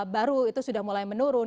baru itu sudah mulai menurun